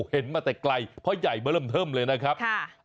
เห็นมาแต่ไกลเพราะใหญ่มาเริ่มเทิมเลยนะครับ